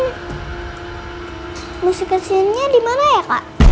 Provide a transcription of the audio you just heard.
foto musik ke sion nya di mana ya kak